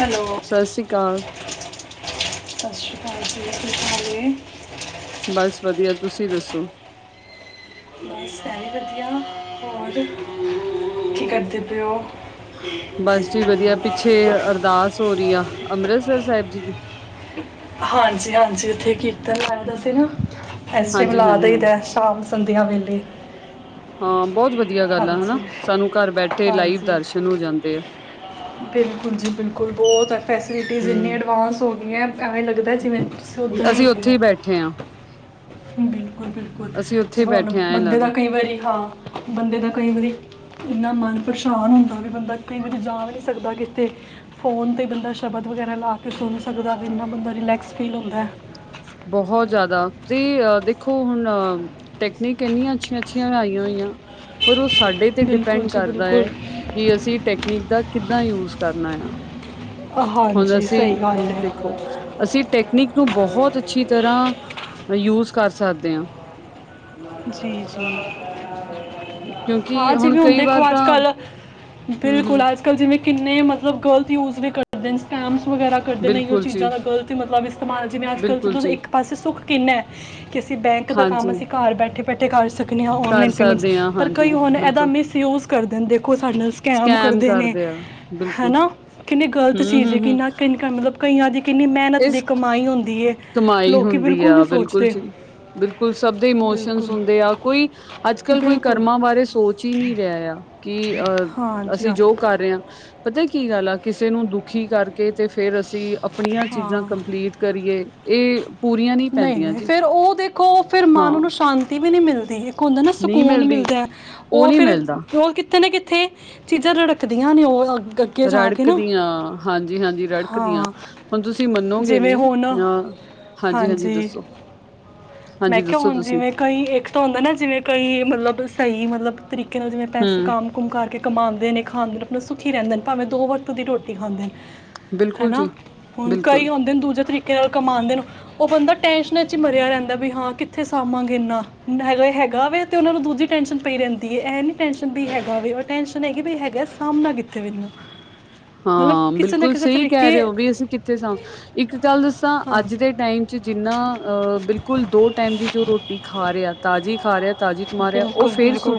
Hello ਸਤਿ ਸ੍ਰੀ ਅਕਾਲ ਸਤਿ ਸ਼੍ਰੀ ਅਕਾਲ ਜੀ ਕੀ ਹਾਲ ਨੇ ਬਸ ਵਧੀਆ ਤੁਸੀਂ ਦੱਸੋ ਬਸ ਮੈ ਵੀ ਵਧੀਆ ਹੋਰ ਕੀ ਕਰਦੇ ਪਏ ਪਏ ਓ ਬਸ ਜੀ ਵਧੀਆ ਪਿੱਛੇ ਅਰਦਾਸ ਹੋ ਰਹੀ ਆ ਅੰਮ੍ਰਿਤਸਰ ਸਾਹਿਬ ਜੀ ਦੀ। ਹਾਂਜੀ ਹਾਂਜੀ ਓਥੇ ਕੀਰਤਨ ਲਾਯਾਂ ਦਾ ਸੀ ਨਾ ਇਸ ਟਾਈਮ ਹਾਂਜੀ ਲਾ ਹਾਂਜੀ ਦਈ ਹਾਂਜੀ ਦਾ। ਸ਼ਾਮ ਸੰਧਿਆ ਵੇਲੇ। ਹਾਂ ਬਹੁਤ ਵਧੀਆ ਗੱਲ ਐ ਹਨਾ ਹਾਂਜੀ ਸਾਨੂੰ ਘਰ ਬੈਠੇ ਲਾਈਵ ਹਾਂਜੀ ਦਰਸ਼ਨ ਹੋ ਜਾਂਦੇ ਆ। ਬਿਲਕੁਲ ਜੀ ਬਿਲਕੁਲ ਬਹੁਤ ਏ ਫੈਸਿਲਿਟੀਜ ਇੰਨੀ ਹਮ ਐਡਵਾਂਸ ਹੋ ਗਈਆਂ ਐਵੇ ਅਸੀਂ ਓਥੇ ਹੀ ਬੈਠੇ ਆ। ਬਿਲਕੁਲ ਬਿਲਕੁਲ ਅਸੀਂ ਉੱਥੇ ਹੀ ਜਿਵੇਂ ਹੁਨ ਬੈਠੇ ਹਾਂ ਐਂ ਬੰਦੇ ਦਾ ਲੱਗਦਾ ਕਈ ਵਾਰੀ ਹਾਂ ਬੰਦੇ ਦਾ ਕਈ ਵਾਰੀ ਇੰਨਾ ਮਨ ਪਰੇਸ਼ਾਨ ਹੁੰਦਾ ਵੇ ਬੰਦਾ ਕਈ ਵਾਰੀ ਜਾ ਵੀ ਨਹੀ ਸਕਦਾ ਕਿਥੇ। ਫੋਨ ਤੇ ਬੰਦਾ ਸ਼ਬਦ ਵਗੈਰਾ ਲਾ ਕੇ ਸੁਨ ਸਕਦਾ ਇੰਨਾ ਬੰਦਾ ਰਿਲੈਕਸ ਫੀਲ ਹੁੰਦਾ ਏ। ਬਹੁਤ ਜ਼ਿਆਦਾ ਤੇ ਅ ਦੇਖੋ ਹੁਨ ਟੈਕਨੀਕ ਇੰਨੀਆਂ ਅੱਛੀਆਂ ਅੱਛੀਆਂ ਆਈਆਂ ਹੋਈਆਂ ਪਰ ਓਹ ਸਾਡੇ ਤੇ ਬਿਲਕੁਲ ਡਿਪੈਂਡ ਜੀ ਕਰਦਾ ਬਿਲਕੁਲ ਐ। ਕਿ ਅਸੀਂ ਟੈਕਨੀਕ ਦਾ ਕਿੱਦਾਂ ਯੂਜ ਕਰਨਾ ਆ। ਹੁਨ ਹਾਂਜੀ ਅਸੀ ਸਹੀ ਗੱਲ ਹੈ ਦੇਖੋ ਅਸੀਂ ਟੈਕਨੀਕ ਨੂੰ ਬਹੁਤ ਅੱਛੀ ਤਰਾਂ ਯੂਜ ਕਰ ਸਕਦੇ ਆ। ਜੀ ਜੀ ਕਿਉਂਕਿ ਹਾਂ ਹੁਣ ਜਿਵੇਂ ਹੁਨ ਕਈ ਵਾਰ ਦੇਖੋ ਅੱਜ ਤਾਂ ਕੱਲ੍ ਹਮ ਬਿਲਕੁਲ ਹਮ ਅਜ ਕੱਲ ਅੱਜ ਕਲ ਜਿਵੇਂ ਕਿੰਨੇ ਮਤਲਬ ਗਲਤ ਯੂਜ ਵੀ ਕਰਦੇ ਨੇ ਸਕੈਮਸ ਵਗੈਰਾ ਕਰਦੇ ਨੇ ਐਹੀਓ ਬਿਲਕੁਲ ਜੀ ਚੀਜ਼ਾਂ ਦਾ ਗਲਤ ਹੀ ਮਤਲਬ ਇਸਤੇਮਾਲ ਜੀਵੇਂ ਅਜ ਕੱਲ ਬਿਲਕੁਲ ਜ ਜੀ ਇੱਕ ਪਾਸੇ ਸੁੱਖ ਕਿੰਨਾ ਕਿ ਅਸੀਂ ਬੈਂਕ ਦਾ ਹਾਂਜੀ ਕੰਮ ਅਸੀਂ ਘਰ ਬੈਠ ਬੈਠੇ ਕਰ ਸਕਨੇ ਆ ਕਰ ਔਨਲਾਈਨ ਪੇਮੈਂਟਸ ਸਕਦੇ ਹਾਂ ਪਰ ਹਾਂਜੀ ਕਈ ਹੁਨ ਇਹਦਾ ਬਿਲਕੁਲ ਮਿਸਯੂਜ ਕਰਦੇ ਨੇ ਦੇਖੋ ਸਾਡੇ ਨਾਲ ਸਕੈਮ ਕਰਦੇ ਨੇ ਹੈਨਾ ਕਿੰਨੀ ਗ਼ਲਤ ਹਮ ਚੀਜ਼ ਏ ਹਮ ਹਮ ਕਿੰਨਾ ਕਿਨਕਾ ਮਤਲਬ ਕਈਆਂ ਦੀ ਕਿੰਨੀ ਮਿਹਨਤ ਦੀ ਇਸ ਕਮਾਈ ਹੁੰਦੀ ਏ ਕਮਾਈ ਲੋਕ ਹੁੰਦੀ ਬਿਲਕੁਲ ਨੀ ਆ ਸੋਚਦੇ। ਜੀ। ਬਿਲਕੁਲ ਸਭ ਦੇ ਇਮੋਸ਼ਨਜ ਬਿਲਕੁਲ ਹੁੰਦੇ ਆ ਕੋਈ ਅੱਜ ਕੱਲ ਕੋਈ ਬਿਲਕੁਲ ਕਰਮਾਂ ਬਾਰੇ ਸੋਚ ਹੀ ਨਹੀਂ ਰਿਹਾ ਆ ਕਿ ਅਹ ਹਾਂ ਅਸੀਂ ਜੋ ਕਰ ਰਹੇ ਆ ਪਤਾ ਏ ਕੀ ਗੱਲ ਆ ਕਿਸੇ ਨੂੰ ਦੁਖੀ ਕਰਕੇ ਤੇ ਫੇਰ ਅਸੀਂ ਅਪਨੀ ਚੀਜ਼ਾਂ ਹਾਂ ਕੰਪਲੀਟ ਕਰੀਏ ਏਹ ਨਹੀਂ ਨਹੀਂ ਫੇਰ ਓਹ ਦੇਖੋ ਫੇਰ ਹਾਂ ਮਨ ਨੂੰ ਸ਼ਾਂਤੀ ਵੀ ਨਹੀਂ ਮਿਲਦੀ ਇਕ ਹੁੰਦਾ ਨਾ ਨਹੀਂ ਸਕੂਨ ਮਿਲਦੀ ਮਿਲਦਾ ਉਹ ਓਹ ਨਹੀਂ ਫਿਰ ਮਿਲਦਾ ਓਹ ਕਿੱਥੇ ਨਾ ਕਿੱਥੇ ਚੀਜ਼ਾਂ ਰੱੜਕਦੀਆਂ ਨੇ ਓਹ ਅਗ ਰੜਕਦੀਆਂ ਹਾਂਜੀ ਹਾਂਜੀ ਹਾਂ ਰੜਕਦੀਆਂ ਹੁਨ ਤੁਸੀਂ ਮੰਨੋਗੇ ਜਿਵੇਂ ਨੀ ਹੁਣ ਨਾ ਹਾਂਜੀ ਹਾਂਜੀ ਦੱਸੋ ਮੈਂ ਹਾਂਜੀ ਕਿਆ ਦੱਸੋ ਹੁਨ ਤੁਸੀਂ ਜਿਵੇਂ ਕਈ ਇੱਕ ਤਾਂ ਹੁੰਦਾ ਨਾ ਜਿਵੇਂ ਕਈ ਮਤਲਬ ਸਹੀ ਮਤਲਬ ਤਰੀਕੇ ਨਾਲ ਜਿਵੇਂ ਪੈਸੇ ਹਮ ਕਮ ਕੁਮ ਕਰਕੇ ਕਮਾੰਦੇ ਨੇ ਖਾਂਦੇ ਨੇ ਆਪਨਾ ਸੁਖੀ ਰਹਿੰਦੇ ਨੇ ਭਾਵੇਂ ਦੋ ਵਕਤ ਦੀ ਰੋਟੀ ਖਾਂਦੇ ਨੇ ਬਿਲਕੁਲ ਹੈਨਾ ਜੀ ਹੁਨ ਬਿਲਕੁਲ ਕਈ ਹੁੰਦੇ ਨੇ ਦੂਜੇ ਤਰੀ ਕੇ ਨਾਲ ਕਮਾੰਦੇ ਨੂੰ ਓਹ ਬੰਦਾ ਟੈਂਨਸ਼ਨਾਂ ਚ ਈ ਮਰਿਆ ਰਹਿੰਦਾ ਹੁਨਦਾ ਵੀ ਹਾਂ ਕਿੱਥੇ ਸਾੰਮਾ ਗੇ ਇੰਨਾ ਹੈਗ ਹੈਗਾ ਵੇ ਤੇ ਓਹਨਾਂ ਨੂੰ ਦੂਜੀ ਟੈਂਸ਼ਨ ਪਈ ਰਹਿੰਦੀ ਏ ਇਹ ਨੀ ਟੈਸ਼ਨ ਵੀ ਹੈਗਾ ਵੇ ਓਹ ਟੈਸ਼ਨ ਹੈਗੀ ਬੀ ਹੈਗਾ ਸਾਮਬਨਾ ਕਿੱਥੇ ਵੈ ਇਹਨੂੰ ਹਾਂ ਬਿਲਕੁਲ ਸਹੀ ਕਹਿ ਰਹੇ ਔ ਵੀ ਅਸੀਂ ਕਿੱਥੇ ਸਾ ਇੱਕ ਗੱਲ ਦੱਸਾਂ ਹਾਂ ਅੱਜ ਦੇ ਟਾਈਮ ਚ ਜਿੰਨਾ ਅਹ ਬਿਲਕੁਲ ਦੋ ਟਾਈਮ ਦੀ ਜੋ ਰੋਟੀ ਖਾ ਰਿਆ ਤਾਜ਼ੀ ਖਾ ਰਿਆ ਬਿਲਕੁਲ ਬਿਲਕੁਲ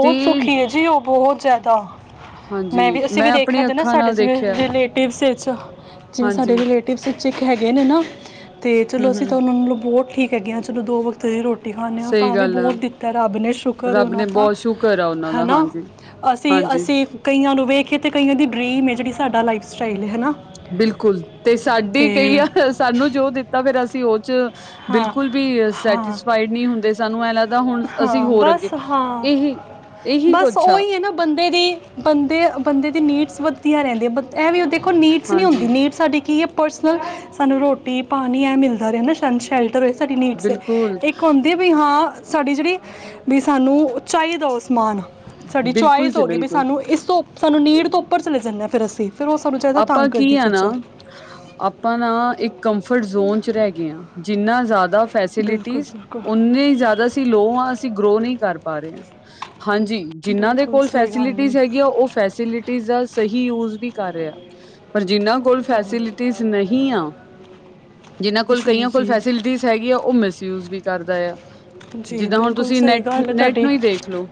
ਤੇ ਸੂਖੀ ਏ ਜੀ ਓਹ ਬਹੁਤ ਜ਼ਿਆਦਾ ਹਾਂਜੀ ਮੈਂ ਵੀ ਅਸੀਂ ਵੀ ਦੇਖਿਆ ਆਪਣੀ ਜੇ ਨਾ ਅੱਖਾਂ ਸਾਡੇ ਨਾਲ ਜੋ ਰੀਲੇ ਦੇਖਿਆ ਰਿਲੇਟਿਵਸ ਵਿੱਚ ਜਿਵੇਂ ਸਾਡੇ ਹਾਂਜੀ ਰਿਲੇਟਿਵਸ ਵਿੱਚ ਇੱਕ ਹੈਗੇ ਨੇ ਨਾ ਤੇ ਚਲੋ ਹਮ ਅਸੀਂ ਹਮ ਤਾਂ ਓਹਨਾਂ ਨਾਲੋ ਬਹੁਤ ਠੀਕ ਹੈਗੇ ਆ ਚਲੋ ਦੋ ਵਕਤ ਰੋਟੀ ਖਾਂਨੇ ਆ ਸਹੀ ਵੀ ਗੱਲ ਆ ਬਹੁਤ ਦਿੱਤਾ ਰੱਬ ਨੇ ਸ਼ੁਕਰ ਰੱਬ ਓਹਨਾਂ ਨੇ ਦਾ ਬਹੁਤ ਸ਼ੁਕਰ ਆ ਉਹਨਾਂ ਦਾ ਹੈਨਾ ਹਾਂਜੀ ਅਸੀਂ ਹਾਂਜੀ ਅਸੀਂ ਕਈਆਂ ਨੂੰ ਵੇਖੇ ਤੇ ਕਈਆਂ ਦੀ ਡਰੀਮ ਏ ਜਿਹੜੀ ਸਾਡਾ ਲਾਈਫ ਸਟਾਈਲ ਏ ਹੈਨਾ ਬਿਲਕੁਲ ਤੇ ਸਾਡੀ ਕਈ ਆ ਸਾਨੂੰ ਜੋ ਦਿੱਤਾ ਫੇਰ ਅਸੀਂ ਓਹ ਚ ਹਾਂ ਬਿਲਕੁਲ ਵੀ ਹਾਂ ਸੈਟਿਸਫਾਈਡ ਨਹੀਂ ਹੁੰਦੇ ਸਾਨੂੰ ਐ ਲਗ ਹਾਂ ਬਸ ਹਾਂ ਇਹੀ ਬਸ ਕੁਛ ਆ ਓਹੀ ਏ ਨਾ ਬੰਦੇ ਦੀ ਬੰਦੇ, ਬੰਦੇ ਦੀ ਨੀਡਸ ਵਦਦੀਆ ਰਹਿੰਦੀਆਂ, ਬ ਐਵੀ ਦੇਖੋ ਨੀਡਸ ਨਹੀਂ ਹਾਂਜੀ ਹੁੰਦੀ, ਨੀਡਸ ਸਾਡੀ ਕੀ ਏ ਪਰਸਨਲ ਸਾਨੂੰ ਰੋਟੀ ਪਾਨੀ ਐ ਮਿਲਦਾ ਰਹੇ ਹੈਨਾ ਸ਼ਾਨੁ ਸ਼ੈਲਟਰ ਸਾਡੀ ਨੀਡਸ ਏ ਬਿਲਕੁਲ ਇਕ ਹੋ ਵੀ ਹਾਂ ਸਾਡੀ ਜਿਹੜੀ ਵੀ, ਸਾਨੂੰ ਓਹ ਚਾਹੀਦਾ ਉਹ ਸਮਾਨ ਸਾਡੀ ਬਿਲਕੁਲ ਚੋਆਇਸ ਜੀ ਹੋ ਗਈ, ਵੀ ਬਿਲਕੁਲ ਸਾਨੂੰ ਇਸ ਤੋਂ ਸਾਨੂੰ ਨੀਡ ਤੋਂ ਉੱਪਰ ਚਲੇ ਜਾਂਨੇ ਆ ਫੇਰ ਅਸੀਂ ਫਿਰ ਉਹ ਸਾਨੂੰ ਜਾਦਾ ਆਪਾਂ ਤੰਗ ਕਰਦੀ ਕੀ ਆ ਨਾ ਚੀਜ਼ਾਂ ਆਪਾਂ ਨਾ ਇੱਕ ਕੰਫਰਟ ਜ਼ੋਨ ਚ ਰਹਿ ਗਏ ਆ, ਜਿੰਨਾ ਜ਼ਿਆਦਾ ਬਿਲਕੁਲ ਫੈਸਿਲਿਟੀਸ ਬਿਲਕੁਲ ਉਨੇਈ ਜ਼ਿਆਦਾ ਅਸੀ ਲੋ ਆੰ ਗਰੋ ਨਹੀਂ ਕਰ ਪਾ ਰਹੇ, ਹਾਂਜੀ ਜਿਨਾਂ ਦੇ ਬਿਲਕੁਲ ਕੋਲ ਸਹੀ ਗੱਲ ਹੈ ਫੈਸਿਲਿਟੀਸ ਹੈਗੀ ਆ ਉਹ ਫੈਸਿਲ ਦਾ ਸਹੀ ਯੂਜ ਵੀ ਕਰ ਰਿਹਾ ਪਰ ਜਿੰਨਾ ਫੂਲ ਹਾਂ ਫੈਸਿਲਿਟੀਜ਼ ਨਹੀਂ ਆ, ਜਿਨਾਂ ਕੋਲ ਜੀ ਕਈਆਂ ਕੋਲ ਜੀ ਫੈਸਿਲਿਟੀਜ਼ ਹੈਗੀ ਆ, ਉਹ ਮਿਸਯੂਜ ਵੀ ਕਰਦਾ ਆ ਜੀ ਜਿੱਦਾਂ ਹੁਨ ਬਿਲਕੁਲ ਤੁਸੀਂ ਸਹੀ ਨੈਟ- ਗੱਲ ਹੈ ਨੈਟ ਤੁਹਾਡੀ ਨੂੰ ਹੀ ਦੇਖ ਲਓ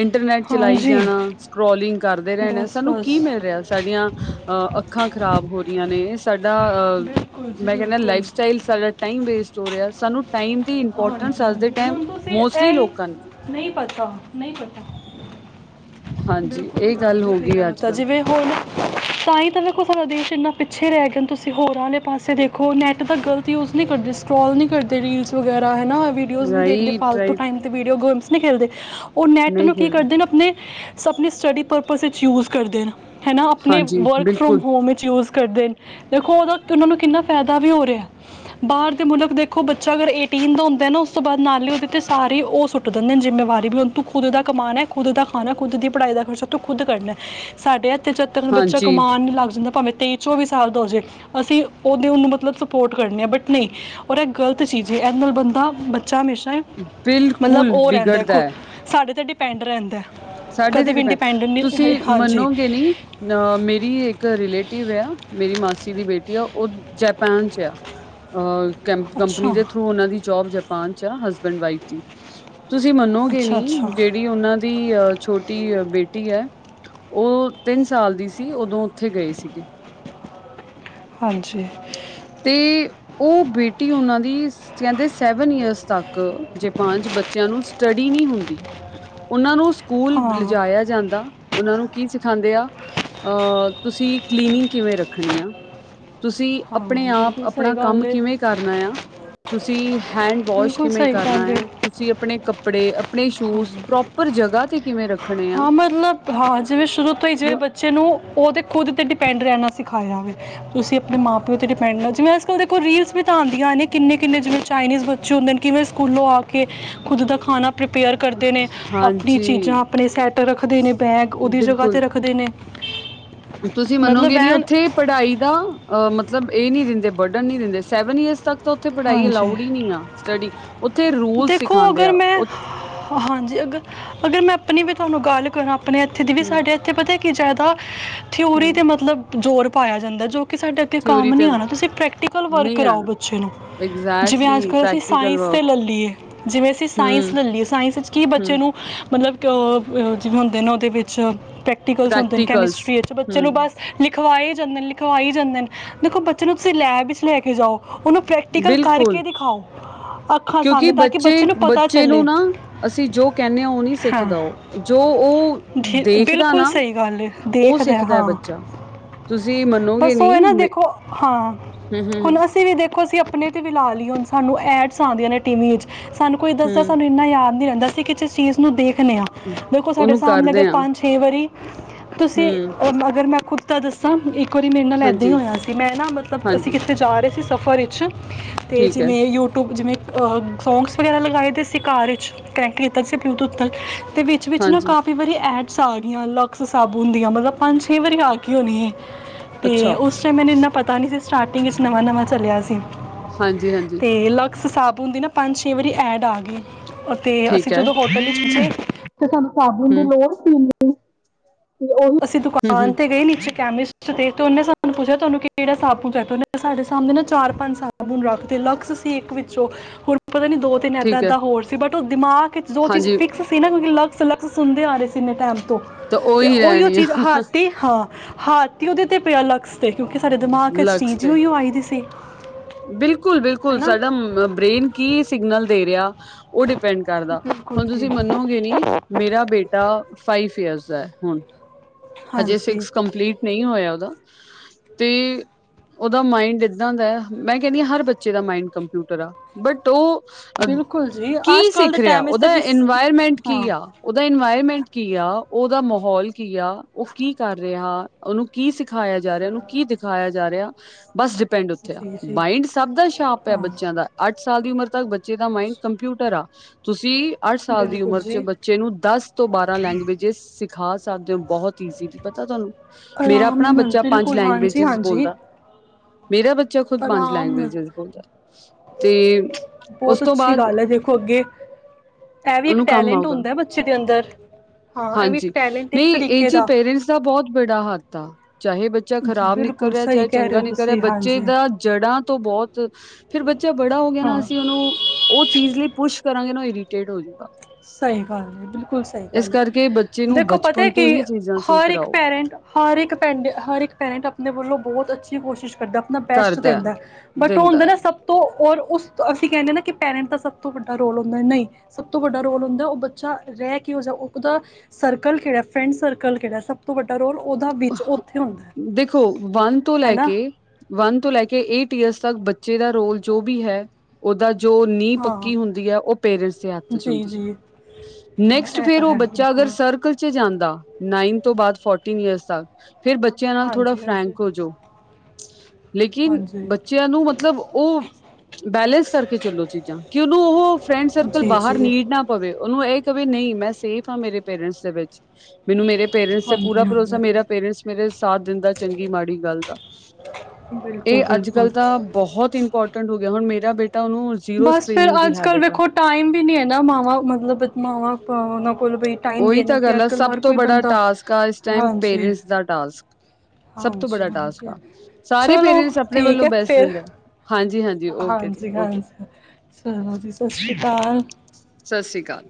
ਇੰਟਰਨੈਟ ਚਲਾਈ ਹਾਂਜੀ ਜਾਨਾ, ਸਕਰੋਲਿੰਗ ਕਰਦੇ ਰਹਿਨਾ ਬਸ ਸਾਨੂੰ ਕੀ ਬਸ ਮਿਲ ਰਿਹਾ ਸਾਡੀਆਂ ਅ ਅੱਖਾਂ ਖ਼ਰਾਬ ਹੋ ਰਈਆਂ ਨੇ, ਸਾਡਾ ਅਹ ਬਿਲਕੁਲ ਜੀ ਮੈਂ ਕਹਨਾ ਬਿਲਕੁਲ ਲਾਈਫ ਸਟਾਈਲ ਸਾਡਾ ਟਾਈਮ ਵੇਸਟ ਹੋ ਰਿਆ ਸਾਨੂੰ ਟਾਈਮ ਦੀ ਹਾਂਜੀ ਇੰਪੋਰਟੈਂਸ ਅੱਜ ਦੇ ਟਾਈਮ ਮੋਸਟਲੀ ਲੋਕਾਂ ਨੂੰ ਨਈ ਪਤਾ, ਨਈ ਪਤਾ ਹਾਂਜੀ ਬਿਲਕੁਲ ਨਈ ਇਹ ਪਤਾ ਗੱਲ ਜੀ ਹੋ ਕਇਯਾ ਗਈ ਨੂੰ ਅੱਜ ਤਾ ਕੱਲ੍ਹ ਜਿਵੇਂ [unintelligible] ਤਾਂ ਹੀ ਤਾਂ ਵੇਖੋ ਸਾਡਾ ਦੇਸ਼ ਇੰਨਾ ਪਿੱਛੇ ਰਹਿ ਗਿਆ, ਤੁਸੀਂ ਹੋਰਾਂ ਆਲੇ ਪਾਸੇ ਦੇਖੋ ਨੈੱਟ ਦਾ ਗਲਤ ਮਿਸਯੂਜ਼ ਨਹੀਂ ਕਰਦੇ, ਸਕਰੋਲ ਨੀ ਕਰਦੇ, ਰੀਲਸ ਵਗੈਰਾ ਹੈ ਨਾ ਵੀਡੀਓਜ਼ ਨੀ ਦੇਖਦੇ, ਰਾਈਟ ਫਾਲਤੂ ਰਾਈਟ ਟਾਈਮ ਵੀਡੀਓ ਗੇਮਸ ਨੀ ਖੇਲਦੇ, ਉਹ ਨੈੱਟ ਨਹੀਂ ਨੂੰ ਕੀ ਖੇਲਦੇ ਕਰਦੇ ਨੇ ਆਪਣੇ ਸਭ ਆਪਣੀ ਸਟੱਡੀ ਪਰਪਸ ਵਿੱਚ ਯੂਜ ਕਰਦੇ ਨੇ ਹੈ, ਨਾ ਆਪਣੇ ਹਾਂਜੀ ਵਰਕ ਫਰੋਮ ਬਿਲਕੁਲ ਹੋਮ ਵਿੱਚ ਯੂਜ ਕਰਦੇ ਦੇਖੋ ਉਹਦਾ ਉਹਨਾਂ ਨੂੰ, ਕਿੰਨਾ ਫਾਇਦਾ ਵੀ ਹੋ ਰਿਹਾ, ਬਾਹਰ ਦੇ ਮੁਲਕ ਦੇਖੋ ਬੱਚਾ ਅਗਰ ਏ ਟੀਨ ਦਾ ਹੁੰਦਾ ਨਾ ਉਸ ਤੋਂ ਬਾਅਦ ਨਾਲੇ ਉਹਦੇ ਤੇ ਸਾਰੇ ਉਹ ਸੁੱਟ ਦਦੇ ਨੇ ਜ਼ਿੰਮੇਵਾਰੀ, ਵੀ ਹਣ ਤੂੰ ਖੁਦਦਾ ਕਮਾਣਾ ਖੁਦ ਦਾ ਖਾਣਾ, ਖੁਦ ਦੀ ਪੜ੍ਹਾਈ ਖਰਚਾ ਤੂੰ ਖੁਦ ਕਰਨਾ ਸਾਡੇ ਏਥੇ ਜਦ ਤਕਨ ਬੱਚਾ ਹਾਂਜੀ ਕਮਾਨ ਨੀ ਲੱਗ ਜਾਂਦਾ ਭਾਵੇਂ ਤੇਈ ਚੌਵੀ ਸਾਲ ਦਾ ਹੋ ਜਾਵੇ, ਅਸੀਂ ਉਹਦੇ ਉਹਨੂੰ ਮਤਲਬ ਸਪੋਰਟ ਕਰਨੇ ਆ, ਬਟ ਨਹੀਂ ਔਰ ਇਹ ਗਲਤ ਚੀਜ਼ ਏ ਐਦੇ ਨਾਲ ਬੰਦਾ ਬੱਚਾ ਹਮੇਸ਼ਾ ਮਤਲਬ ਬਿਲਕੁਲ ਉਹ ਰਹਿੰਦਾ ਵਿਗੜਦਾ ਖੋ ਹੈ ਸਾਡੇ ਤੇ ਡਿਪੈਂਡ ਰਹਿੰਦਾ। ਸਾਡੇ ਤੇ ਕਦੇ ਵੀ ਡੀ ਪੈਂਡ ਇੰਡੀਪੈਂਡੈਂਟ ਨਹੀਂ ਤੁਸੀਂ ਹਾਂਜੀ ਮੰਨੋਗੇ ਨੀ ਅ ਮੇਰੀ ਇੱਕ ਰਿਲੇਟਿਵ ਆ, ਮੇਰੀ ਮਾਸੀ ਦੀ ਬੇਟੀ ਆ, ਉਹ ਜਪਾਨ ਚ ਆ ਅ ਕੰਪਨੀ ਅੱਛਾ ਦੇ ਥਰੂ ਉਹਨਾ ਦੀ ਜੋਬ ਜਪਾਨ ਚ ਆ, ਹਸਬੈਂਡ ਵਾਈਫ ਦੀ ਤੁਸੀਂ ਮੰਨੋਗੇ ਅੱਛਾ ਨੀ, ਅੱਛਾ ਜਿਹੜੀ ਉਹਨਾਂ ਦੀ ਅਹ ਛੋਟੀ ਬੇਟੀ ਹੈ, ਉਹ ਤਿੰਨ ਸਾਲ ਦੀ ਸੀ, ਉਦੋਂ ਉੱਥੇ ਗਏ ਸੀਗੇ ਹਾਂਜੀ ਤੇ ਉਹ ਬੇਟੀ ਉਹਨਾਂ ਦੀ ਕਹਿੰਦੇ, ਸੈਵਨ ਈਅਰਸ ਤੱਕ ਕ ਜਾਪਾਨ ਚ ਬੱਚਿਆਂ ਨੂੰ ਸਟੱਡੀ ਨਹੀਂ ਹੁੰਦੀ, ਉਹਨਾਂ ਨੂੰ ਸਕੂਲ ਹਾਂ ਲਿਜਾਇਆ ਜਾਂਦਾ ਉਹਨਾਂ ਨੂੰ ਕੀ ਸਿਖਾਦੇ ਆ, ਅਹ ਤੁਸੀਂ ਕਲੀਨਿੰਗ ਕਿਵੇਂ ਰੱਖਣੀ ਆ ਤੁਸੀਂ ਹਾਂ ਆਪਣੇ ਆਪ, ਬਿਲਕੁਲ ਸਹੀ ਆਪਣਾ ਕੰਮ ਗੱਲ ਹੈ ਕਿਵੇਂ ਕਰਨਾ ਆ। ਤੁਸੀਂ ਹੈਂਡਵੋਸ਼ ਬਿਲਕੁਲ ਕਿਵੇਂ ਸਹੀ ਕਰਨਾ ਗੱਲ ਹੈ ਆ, ਤੁਸੀਂ ਆਪਣੇ ਕੱਪੜੇ ਆਪਣੇ ਸ਼ੂਜ ਪ੍ਰੋਪਰ ਜਗ੍ਹਾ ਤੇ ਕਿਵੇਂ ਰੱਖ ਹਾਂ ਮਤਲਬ ਹਾਂ, ਜਿਵੇਂ ਸ਼ੁਰੂ ਤੋਂ ਹੀ ਜਿਵੇਂ ਰ- ਬੱਚੇ ਨੂੰ, ਉਹਦੇ ਖੁਦ ਤੇ ਡਿਪੈਂਡ ਰਹਿਣਾ ਸਿਖਾਇਆ ਜਾਵੇ ਤੁਸੀਂ ਆਪਣੇ ਮਾਂ ਪਿਓ ਤੇ ਡਿਪੈਂਡ ਹੋਨਾ, ਜਿਵੇਂ ਅਜ ਕਲ ਦੇਖੋ ਰੀਲਸ ਵੀ ਤਾਂ ਆਂਦੀਆ ਨੇ, ਕਿਨੇ-ਕਿਨੇ ਜਿਵੇਂ ਚਾਈਨੀਜ਼ ਬੱਚੇ ਹੁੰਦੇ ਨੇ ਕਿਵੇਂ ਸਕੂਲੋਂ ਆ ਕੇ ਖੁਦ ਦਾ ਖਾਣਾ ਪ੍ਰੀਪੇਅਰ ਕਰਦੇ ਨੇ, ਆਪਣੀ ਹਾਂਜੀ ਚੀਜ਼ਾਂ ਸੈਟ ਰੱਖਦੇ ਨੇ ਬੈਗ ਉਹਦੀ ਜ੍ਹਗਹ ਬਿਲਕੁਲ ਤੇ ਰੱਖਦੇ ਨੇ ਤੁਸੀਂ ਮਤਲਬ ਮੰਨੋਗੇ ਨੀ ਐਨ ਉੱਥੇ ਪੜ੍ਹਾਈ ਦਾ ਅ ਮਤਲਬ ਇਹ ਨੀ ਦਿੰਦੇ ਬਰਡਨ ਨਈ ਦਿੰਦੇ ਸੈਵਨ ਈਅਰਸ ਤੱਕ ਤਾਂ ਉੱਥੇ ਪੜ੍ਹਾਈ ਹਾਂਜੀ ਅਲਾਊਡ ਹੀ ਨਈ ਆ, ਸਟੱਡੀ ਉੱਥੇ ਰੂਲ ਦੇਖੋ ਸਿਖਾਉਂਦੇ ਅਗਰ ਆ। ਮੈਂ ਹਾਂਜੀ ਅਗਰ- ਅਗਰ ਮੈਂ ਆਪਣੀ ਵੀ ਤੁਹਾਨੂੰ ਗੱਲ ਕਰਾਂ, ਆਪਣੇ ਇੱਥੇ ਦੀ ਵੀ ਸਾਡੇ ਤੇ ਪਤਾ ਕੀ ਜਾਦਾ ਥਿਊਰੀ ਹਮ ਤੇ ਮਤਲਬ ਜ਼ੋਰ ਪਾਏਆ ਜਾਂਦਾ ਜੋ ਕਿ ਸਾਡੇ ਅੱਗੇ ਥਿਊਰੀ ਕੰਮ ਨੀ ਤੇ ਆਣਾ ਤੁਸੀਂ ਪ੍ਰੈਕਟੀਕਲ ਵਰਕ ਨਹੀਂ ਕਰਾਓ ਆਣਾ ਬੱਚੇ ਨੂੰ। ਜਿਵੇਂ ਐਗਜੈਕਟਲੀ ਅੱਜ-ਕੱਲ੍ਹ ਅਸੀਂ ਪ੍ਰੈਕਟੀਕਲ ਸਾਇੰਸ ਤੇ ਵਰਕ ਲ ਲਈਏ ਜਿਵੇਂ ਅਸੀਂ ਸਾਇੰਸ ਹਮ ਲ ਲਈਏ ਸਾਇੰਸ ਵਿੱਚ ਕੀ ਹਮ ਬੱਚੇ ਨੂੰ ਮਤਲਬ ਕੇ ਓ ਅ ਜਿਵੇਂ ਹੁੰਦੇ ਨਾ ਉਹਦੇ ਵਿੱਚ ਪ੍ਰੈਕ ਪ੍ਰੈਕਟੀਕਲਸ ਹੁੰਦੇ ਨੇ ਪ੍ਰੈਕਟੀਕਲਸ ਕੈਮਿਸਟਰੀ ਵਿੱਚ ਬੱਚੇ ਨੂੰ ਹਮ ਬਸ ਲਿਖਵਾਏ ਜਾਂਦੇ ਨੇ ਲਿਖਵਾਈ ਜਾਂਦੇ ਨੇ ਦੇਖੋ ਬੱਚੇ ਨੂੰ ਤੁਸੀਂ ਲੈਬ ਵਿੱਚ ਲੈ ਕੇ ਜਾਓ ਉਹਨੂੰ ਪ੍ਰੈਕ ਟੀਕਲ ਬਿਲਕੁਲ ਕਰਕੇ ਦਿਖਾਓ। ਅੱਖਾਂ ਕਿਉਂਕਿ ਸਾਹਮਣੇ ਤਾਂ ਕਿ ਬੱਚੇ ਨੂੰ ਪਤਾ ਬੱਚੇ ਚੱਲੇ ਨੂੰ ਨਾ ਅਸੀਂ ਜੋ ਕਹਿੰਦੇ ਹਾਂ ਉਹ ਨਹੀਂ ਹਾਂ। ਸਿੱਖਦਾ ਉਹ ਜੋ ਉਹ ਥੀ ਦੇਖਦਾ ਬਿਲਕੁਲ ਨਾ ਸਈ ਗੱਲ ਏ ਉਹ ਦੇਖਦਾ ਸਿੱਖਦਾ ਹੈ ਹਾਂ। ਬੱਚਾ ਤੁਸੀਂ ਮੰਨੋਗੇ ਬਸ ਨੀ ਓਹ ਐ ਨਾ ਮੇ ਦੇਖੋ ਹਾਂ, ਹਮ ਹਮ ਹੁਣ ਅਸੀਂ ਵੀ ਦੇਖ ਦੇਖੋ ਅਸੀਂ ਆਪਣੇ ਤੇ ਵੀ ਲਾ ਲਈ ਹੁਣ ਸਾਨੂੰ ਐਡਸ ਆਦੀਆਂ ਨੇ ਟੀ ਵੀ ਵਿੱਚ ਸਾਨੂੰ ਕੋਈ ਦੱਸਦਾ ਹਮ ਸਾਨੂੰ ਐਨਾ ਯਾਦ ਨੀ ਰਹਿੰਦਾ ਸੀ ਕਿ ਕਿਸੇ ਚੀਜ਼ ਨੂੰ ਦੇਖਦੇ ਆ ਦੇਖੋ ਸਾਡੇ ਉਹਨੂੰ ਸਾਮਣੇ ਅਗਰ ਕਰਦੇ ਹਾਂ ਪੰਜ ਛੇ ਵਾਰੀ ਤੁਸੀਂ ਹਮ ਅਗਰ ਮੈਂ ਖੁਦ ਦਾ ਦੱਸਾਂ ਇੱਕ ਵਾਰੀ ਮੇਰੇ ਨਾਲ ਏਦਾਂ ਈ ਹਾਂਜੀ ਹੋਇਆ ਸੀ ਮੈਂ ਨਾ ਮਤਲਬ ਅਸੀਂ ਹਾਂਜੀ ਕਿੱਥੇ ਜਾ ਰੇ ਸੀ ਸਫ਼ਰ ਵਿੱਚ ਤੇ ਠੀਕ ਹੈ ਜਿਵੇਂ ਯੂਟਿਊਬ ਜਿਵੇਂ ਅ ਫੋਂਸ ਵਗੈਰਾ ਲਗਾਏ ਦੇ ਸੀ ਕਾਰ ਈਚ, ਕਨੈਕਟ ਕੀਤਾ ਸੀ ਬਲੂਟੂਥ ਨਾਲ, ਤੇ ਵਿੱਚ ਵਿੱਚ ਨਾ ਹਾਂਜੀ ਕਾਫ ਕਈ ਵਾਰੀ ਐਡਸ ਆ ਗਈਆਂ ਲਕਸ ਸਾਬੁਨ ਦੀਆਂ ਮਤਲਬ ਪੰਜ ਛੇ ਵਾਰੀ ਆ ਗਈ ਹੋਣੀ ਏ ਤੇ ਅੱਛਾ ਉਸ ਟੈਮ ਮੈਨ ਐਨਾ ਪਤਾ ਨੀ ਸੀ ਸਟਾਰਟਿੰਗ ਵਿੱਚ ਨਵਾਂ-ਨਵਾਂ ਚੱਲਿਆ ਸੀ। ਹਾਂਜੀ-ਹਾਂਜੀ। ਤੇ ਲਕਸ ਸਾਬੁਨ ਦੀ ਨਾ ਪੰਜ-ਛੇ ਵਾਰੀ ਐਡ ਆ ਗੀ ਤੇ ਠੀਕ ਅਸੀਂ ਹੈ ਜਦੋਂ ਹੋਟਲ ਵਿੱਚ ਗਏ ਤੇ ਸਾਨੂੰ ਸਾਬੁਨ ਦੀ ਹਮ ਲੋੜ ਸੀ। ਓਹ ਅਸੀਂ ਹਮ ਦੁਕਾਨ ਹਮ ਤੇ ਗਏ ਨਿੱਚੇ ਕੈਮਿਸਟ ਦੇਖ ਕੇ ਤੇ ਉਹਨੇ ਸਾਨੂੰ ਪੁੱਛਿਆ ਤੁਹਾਨੂੰ ਕੇੜਾ ਸਾਬੁਨ ਚਾਹੀਦਾ ਤੇ ਓਨੇ ਸਾਡੇ ਸਾਹਮਣੇ ਨਾ ਚਾਰ ਪੈ ਚਾਰ-ਪੰਜ ਸਾਬੁਨ ਰੱਖਤੇ ਲਕਸ ਸੀ ਇੱਕ ਵਿੱਚੋਂ ਹੁਣ ਪਤਾ ਨੀ ਦੋ-ਤਿੰਨ ਠੀਕ ਹੈ ਏਦਾਂ-ਏਦਾਂ ਹੋਰ ਸੀ ਬਟ ਉਹ ਦਿਮਾਗ ਜੋ ਚੀਜ਼ ਹਾਂਜੀ ਫਿਕਸ ਸੀ ਨਾ ਕਿਉਂਕਿ ਲਕਸ- ਲਕਸ ਸੁਨਦੇ ਆ ਰਹੇ ਸੀ ਐਨੇ ਟੈਮ ਤੋਂ ਤਾਂ ਤੇ ਉਹੀ ਓਹੀਓ ਰਹਿਣੀ ਆ ਚੀਜ਼ ਹਾਤੀ ਹਾਂ ਹੱਥ ਇ ਓਦੇ ਤੇ ਪਿਆ ਲਕਸ ਤੇ ਕਿਉਂਕਿ ਸਾਡੇ ਦਿਮਾਗ ਚ ਲਕਸ ਚੀਜ਼ ਈ ਤੇ ਓਇਓ ਆਈ ਦੀ ਸੀ। ਬਿਲਕੁਲ-ਬਿਲਕੁਲ ਹੈਨਾ ਸਾਡਾ ਬ੍ਰੇਨ ਕੀ ਸਿਗਨਲ ਦੇ ਰਿਆ ਓ ਡਿਪੈਂਡ ਕਰਦਾ। ਬਿਲਕੁਲ ਹੁਣ ਜੀ ਤੁਸੀਂ ਮੰਨੋਗੇ ਨੀ ਮੇਰਾ ਬੇਟਾ ਫਾਈਫ ਏਅਰਸ ਦਾ ਹੁਣ ਹਜੇ ਹਾਂਜੀ ਸਿਕਸ ਕੰਪਲੀਟ ਨਈ ਹੋਇਆ ਓਦਾ ਤੇ ਓਦਾ ਮਾਇੰਡ ਏਦਾਂ ਦਾ ਅ। ਮੈਂ ਕਹਿਨੀ ਆ ਹਰ ਬੱਚੇ ਦਾ ਮਾਇੰਡ ਕੰਪਿਊਟਰ ਆ ਬਟ ਓ ਅ ਬਿਲਕੁਲ ਜੀ ਕੀ ਅੱਜ ਕੱਲ ਸਿੱਖ ਦੇ ਰਿਹਾ ਟਾਈਮ ਵਿੱਚ ਤਾਂ ਓਦਾ ਕਿਸ ਇਨਵਾਇਰਮੈਂਟ ਕੀ ਹਾਂ ਯਾ ਓਦਾ ਇਨਵਾਇਰਮੈਂਟ ਕੀ ਆ ਓਦਾ ਮਾਹੌਲ ਕੀ ਆ ਓਹ ਕੀ ਕਰ ਰਿਹਾ ਉਹਨੂੰ ਕੀ ਸਿਖਾਇਆ ਜਾ ਰਿਹਾ, ਓਨੂੰ ਕੀ ਦਿਖਾਇਆ ਜਾ ਰਿਹਾ ਬਸ ਡਿਪੈਂਡ ਓਥੇ ਆ। ਜੀ ਜੀ ਮਾਈੰਡ ਸਭ ਦਾ ਸ਼ਾਪ ਆ ਹਾਂ ਬੱਚਿਆਂ ਦਾ ਅੱਠ ਸਾਲ ਦੀ ਉਮਰ ਤੱਕ ਬੱਚੇ ਦਾ ਮਾਇੰਡ ਕੰਪਿਊਟਰ ਆ, ਤੁਸੀਂ ਅੱਠ ਸਾਲ ਦੀ ਬਿਲਕੁਲ ਉਮਰ ਚ ਜੀ ਬੱਚੇ ਨੂੰ ਦਸ ਤੋਂ ਬਾਰਾਂ ਲੈਂਗੁਏਜੀਸ ਸਿਖਾ ਸਕਦੇ ਓ ਬਹੁਤ ਕੀ ਸੀਗੀ ਪਤਾ ਤੁਹਾਨੂੰ ਮੇਰਾ ਆਰਾਮ ਆਪਣਾ ਨਾਲ ਬੱਚਾ ਪੰਜ ਬਿਲਕੁਲ ਹਾਂਜੀ ਲੈਂਗੁਏਜਿਸ ਹਾਂਜੀ ਬੋਲਦਾ। ਮੇਰਾ ਬੱਚਾ ਖੁਦ ਪੰਜ ਆਰਾਮ ਨਾਲ ਲੈਂਗੁਏਜੀਸ ਬੋਲਦਾ ਤੇ। ਉਸ ਬੋਤ ਤੋਂ ਅੱਛੀ ਬਾਅਦ ਗੱਲ ਐ ਦੇਖੋ ਅੱਗੇ ਐ ਵੀ ਇੱਕ ਉਹਨੂੰ ਕੰਮ ਟੈਲੈਂਟ ਆਊਗਾ ਹੁੰਦਾ ਬੱਚੇ ਦੇ ਅੰਦਰ, ਹਾਂ ਐ ਵੀ ਇੱਕ ਟੈਲੈਂਟ ਇੱਕ ਤਰੀਕੇ ਦਾ ਪਿੰਸ ਦਾ ਬੋਹਤ ਬੜਾ ਹੱਥ ਆ ਚਾਹੇ ਬੱਚਾ ਜੀ ਖਰਾਬ ਨਿਕਲ ਬਿਲਕੁਲ ਰਿਆ ਸਹੀ ਚਾਹੇ ਕਹਿ ਚੰਗਾ ਰਹੇ ਹੋ ਨਿਕਲ ਰਿਆ ਤੁਸੀਂ ਬੱਚੇ ਹਾਂਜੀ ਦਾ ਜੜ੍ਹਾਂ ਤੋਂ ਬੋ, ਫੇਰ ਬੱਚਾ ਬੜਾ ਹੋ ਗਿਆ ਨਾ ਹਾਂ ਅਸੀਂ ਓਨੂੰ ਓ ਚੀਜ਼ ਲਈ ਪੁਸ਼ ਕਰਾਂਗੇ ਨਾ ਓ ਇਰੀਟੇਟ ਹੋਜੂਗਾ। ਸਹੀ ਗੱਲ ਏ, ਬਿਲਕੁਲ ਸਹੀ ਇਸ ਗੱਲ ਕਰਕੇ ਬੱਚੇ ਏ, ਨੂੰ ਦੇਖੋ ਪਤਾ ਬਚਪਨ ਤੋਂ ਕਿ ਹੀ ਚੀਜ਼ਾਂ ਸਿੱਖ ਹਰ ਇੱਕ ਕਰਾਓ ਪੈਰੇਟ ਹਰ ਇੱਕ ਪੈਂਡੇ ਹਰ ਇੱਕ ਪੈਰੇਟ ਆਪਣੇ ਵੱਲੋਂ ਬਹੁਤ ਅੱਛੀ ਕੋਸ਼ਿਸ਼ ਕਰਦਾ ਅਪਨਾ ਬੈਸਟ ਕਰਦਾ ਦੇਦਾ। ਬਟ ਉਹ ਹੁੰਦਾ ਦਿੰਦਾ ਹੈ ਨਾ ਸਭ ਤੋਂ ਔਰ ਉਸ ਅਸੀਂ ਕੇਇੰਦੇ ਆ ਨਾ ਕਿ ਪੈਰੇਟਸ ਦਾ ਸਭ ਤੋਂ ਵੱਡਾ ਰੋਲ ਹੁੰਦਾ, ਨਹੀਂ ਸ ਤੁਹਾਡਾ ਰੋਲ ਹੁੰਦਾ ਉਹ ਬੱਚਾ ਰਹਿ ਕਿਉ ਜਾ ਓਦਾ ਸਰਕਲ ਕੇੜਾ ਫਰੈਂਡ ਸਰਕਲ ਕਿਹੜਾ ਸਭ ਤੋਂ ਵੱਡਾ ਰੋਲ ਉਹਦਾ ਵਿੱਚ ਉੱਥੇ ਹੁੰਦਾ ਹੈ ਦੇਖੋ ਵੰਨ ਤੋਂ ਹੈ ਲੈ ਨਾ ਕੇ, ਵੰਨ ਤੋਂ ਲੈ ਕੇ ਏਟ ਈਅਰਸ ਤੱਕ ਬੱਚੇ ਦਾ ਰੋਲ ਜੋ ਵੀ ਹੈ, ਓਦਾ ਜੋ ਨੀਂਹ ਹਾਂ ਪੱਕੀ ਹੁੰਦੀ ਹੈ, ਓਹ ਪੇਰੈਂਟਸ ਦੇ ਹੱਥ ਚ ਜੀ ਹੁੰਦੀ ਐ। ਜੀ ਹਾਂ, ਨੈਕਸਟ ਇਹ ਫੇਰ ਤਾਂ ਓਹ ਹੈ ਬੱਚਾ ਅਗਰ ਬਿਲਕੁਲ ਸਰਕਲ ਚ ਜਾਂਦਾ, ਨਾਈਨ ਤੋਂ ਬਾਅਦ ਫੋਰਟੀਨ ਈਅਰਸ ਤੱਕ, ਫਿਰ ਬੱਚੇ ਚਿਆਂ ਨਾਲ ਥੋੜਾ ਹਾਂਜੀ ਹਾਂਜੀ ਫਰੈਂਕ ਹੋ ਜੋ, 'ਲੇਕਿਨ ਹਾਂਜੀ ਬੱਚਿਆਂ ਨੂੰ ਮਤਲਬ ਓਹ ਬੈਲੇੈਂਸ ਕਰਕੇ ਚਲੋ ਚੀਜ਼ਾਂ ਕਿ ਉਹਨੂੰ ਉਹ ਫਰੈਂਡ ਸਰਕਲ ਜੀ ਬਾਹਰ ਜੀ ਨੀਡ ਨਾ ਪਵੇ, ਉਹਨੂੰ ਇਹ ਕਵੇ ਨਹੀਂ ਮੈਂ ਸੇਫ ਆ ਮੇਰੇ ਪੇਰੈਂਟਸ ਦੇ ਵਿੱਚ, ਮੈਨੂੰ ਮੇਰੇ ਪੇਰੈਂਟਸ ਤੇ ਪੂਰਾ ਹਾਂਜੀ ਭਰੋਸਾ ਹਾਂਜੀ ਮੇਰਾ ਪੇਰੈਂਟਸ ਮੇਰੇ ਸਾਥ ਦਿੰਦਾ ਚੰਗੀ ਮਾੜੀ ਗੱਲ ਦਾ। ਇਹ ਬਿਲਕੁਲ-ਬਿਲਕੁਲ। ਅੱਜ ਕੱਲ੍ਹ ਤਾਂ ਬਹੁਤ ਇੰਪੋਰਟੈਂਟ ਹੋ ਗਿਆ, ਹੁਣ ਮੇਰਾ ਬੇਟਾ ਉਹਨੂੰ ਜ਼ੀਰੋ ਬਸ ਫਿਰ ਸਕਰੀਨਿੰਗ ਦੀ ਅੱਜ ਕੱਲ ਹੈਬਿਟ ਆ ਵੇਖੋ ਟਾਈਮ ਵੀ ਨਹੀਂ ਹੈਗਾ ਨਾ ਮਾਵਾਂ ਮਤਲਬ ਮਾਵਾਂ ਉਹਨਾਂ ਕੋਲ ਬਈ ਟਾਈਮ ਦੇ ਉਹੀ ਨੂੰ ਤਾਂ ਕਿ ਗੱਲ ਅੱਜ ਆ ਕੱਲ ਸਭ ਹਰ ਤੋਂ ਕੋਈ ਬੜਾ ਬੰਦਾ, ਟਾਸਕ ਆ ਇਸ ਟਾਈਮ ਹਾਂਜੀ! ਪੇਰੈਂਟਸ ਦਾ ਟਾਸਕ, ਸਭ ਤੋਂ ਹਾਂਜੀ ਬੜਾ ਟਾਸਕ ਹਾਂਜੀ ਆ, ਸਾਰੇ ਚਲੋ ਪੇਰੈਂਟਸ ਆਪਣੇ ਵੱਲੋਂ ਬੈਸਟ ਦਿੰਦੇ ਨੇ। ਹਾਂਜੀ- ਹਾਂਜੀ। ਹਾਂਜੀ-ਹਾਂਜੀ ਚਲੋ ਜੀ, ਸਤਿ ਸ਼੍ਰੀ ਅਕਾਲ। ਸਤਿ ਸ੍ਰੀ ਅਕਾਲ।